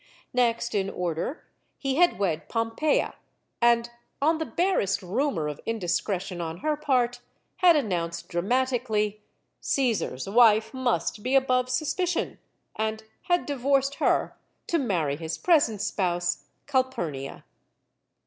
Next in order he had wed Pompeia; and, on the barest rumor of indiscretion on her part, had announced dramatically: "Caesar's wife must be above suspicion!" and had divorced her to marry his present spouse, Calpurnia.